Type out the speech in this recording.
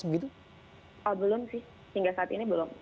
belum sih hingga saat ini belum